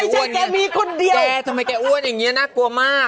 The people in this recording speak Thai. แกมีคนเดียวแกทำไมแกอ้วนอย่างนี้น่ากลัวมาก